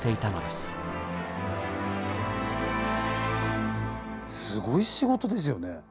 すごい仕事ですよね。